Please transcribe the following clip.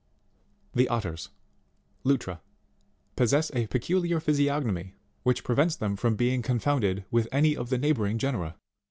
28. The OTTERS, Lutra, possess a peculiar physiognomy, which prevents them from, being confounded with any of the neighbouring genera.